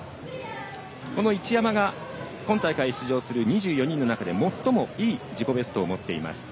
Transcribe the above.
この一山が今大会出場する２４人の中で最もいい自己ベストを持っています。